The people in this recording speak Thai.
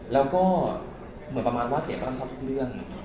แล้วก็เหมือนประมาณว่าเก๋ก็รับชอบทุกเรื่อง